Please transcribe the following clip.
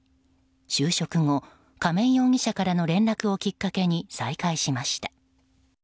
就職後、亀井容疑者からの連絡をきっかけに再会しました。